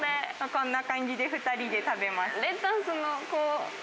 こんな感じで２人で食べます。